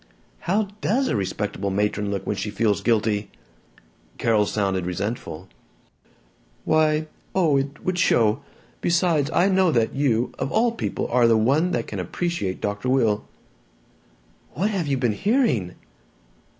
"How does a respectable matron look when she feels guilty?" Carol sounded resentful. "Why Oh, it would show! Besides! I know that you, of all people, are the one that can appreciate Dr. Will." "What have you been hearing?"